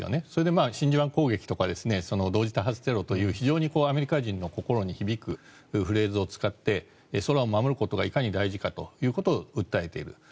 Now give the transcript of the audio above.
それで真珠湾攻撃とか同時多発テロという非常にアメリカ人の心に響くフレーズを使って空を守ることがいかに大事かということを訴えている。